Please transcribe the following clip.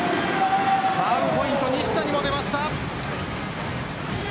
サーブポイント西田にも出ました。